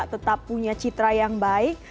tetap punya citra yang baik